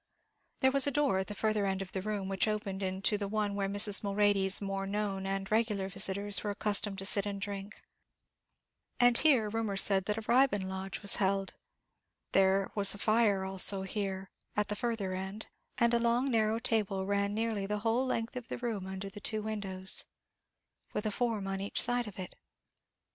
There was a door at the further end of the room, which opened into the one where Mrs. Mulready's more known and regular visitors were accustomed to sit and drink, and here rumour said a Ribon lodge was held; there was a fire also here, at the further end, and a long narrow table ran nearly the whole length of the room under the two windows, with a form on each side of it.